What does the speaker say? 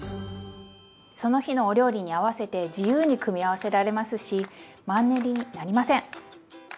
その日のお料理に合わせて自由に組み合わせられますしマンネリになりません！